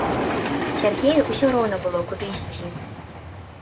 Сяргею ўсё роўна было, куды ісці.